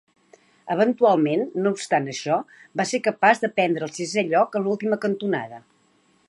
Eventualment, no obstant això, va ser capaç de prendre el sisè lloc en l'última cantonada.